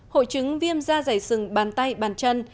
hội chứng viêm da dày sừng bàn tay bàn chân